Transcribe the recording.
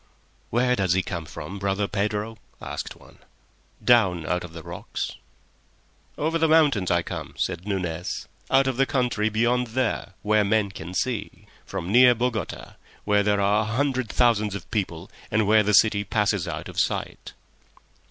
"Where does he come from, brother Pedro?" asked one. "Down out of the rocks." "Over the mountains I come," said Nunez, "out of the country beyond there—where men can see. From near Bogota—where there are a hundred thousands of people, and where the city passes out of sight."